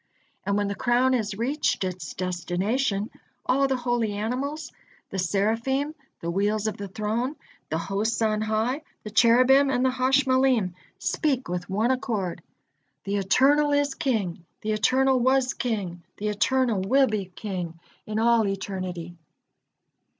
And when the crown has reached its destination, all the holy animals, the Seraphim, the wheels of the Throne, and the hosts on high, the Cherubim and the Hashmalim speak with one accord: "The Eternal is King, the Eternal was King, the Eternal will be King in all eternity."